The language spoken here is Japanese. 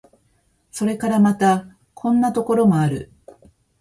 それからまた、こんなところもある。